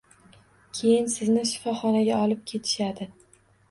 Keyin sizni shifoxonaga olib ketishadi